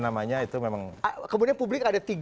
namanya itu memang kemudian publik ada